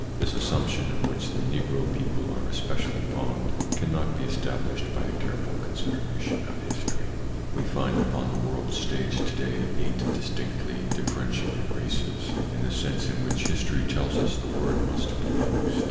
This assumption of which the Negro people are especially fond, can not be established by a careful consideration of history. We find upon the world's stage today eight distinctly differentiated races, in the sense in which History tells us the word must be used.